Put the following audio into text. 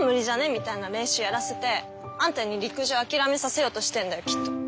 みたいな練習やらせてあんたに陸上諦めさせようとしてんだよきっと。